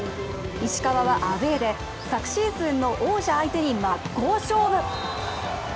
石川はアウェーで、昨シーズンの王者相手に真っ向勝負。